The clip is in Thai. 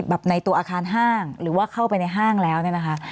ในตัวอาคารห้างหรือว่าเข้าไปในห้างแล้วเนี่ยนะคะ